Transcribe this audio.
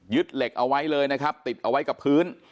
เหล็กเอาไว้เลยนะครับติดเอาไว้กับพื้น